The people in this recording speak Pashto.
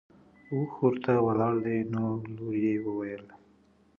اوښ ورته ولاړ دی نو لور یې وویل.